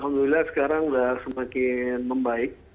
alhamdulillah sekarang sudah semakin membaik